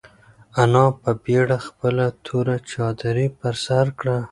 انا په بېړه خپله توره چادري پر سر کړه.